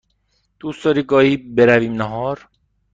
دوست داری گاهی برویم نهار؟